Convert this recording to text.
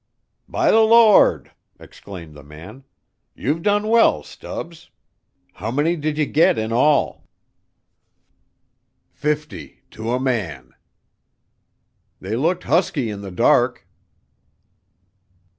"By the Lord," exclaimed the man, "you've done well, Stubbs. How many did you get in all?" "Fifty to a man." "They looked husky in the dark."